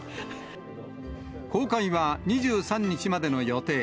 公開は２３日までの予定。